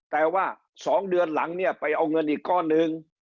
แต่ว่า๒เดือนหลังไปเอาเงินอีกก้อนึง